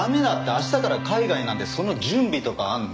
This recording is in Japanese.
明日から海外なんでその準備とかあるの。